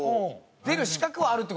出る資格はあるって事ですよね？